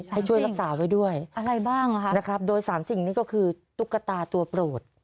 ให้ช่วยรักษาไว้ด้วยอะไรบ้างนะครับโดยสามสิ่งนี้ก็คือตุ๊กตาตัวโปรด